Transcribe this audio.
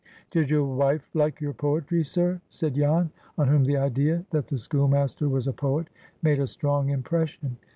"Did your wife like your poetry, sir?" said Jan, on whom the idea that the schoolmaster was a poet made a strong impression.